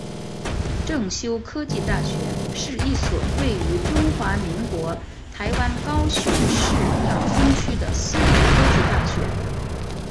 正修科技大学是一所位于中华民国台湾高雄市鸟松区的私立科技大学。